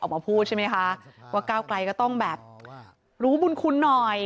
ออกมาพูดใช่ไหมคะว่าก้าวไกลก็ต้องแบบรู้บุญคุณหน่อย